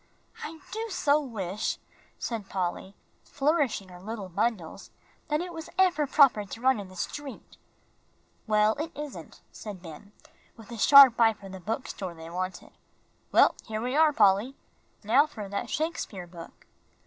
"I do so wish," said Polly, flourishing her little bundles, "that it was ever proper to run in the street." "Well, it isn't," said Ben, with a sharp eye for the bookstore they wanted. "Well, here we are, Polly. Now for that Shakespeare book!"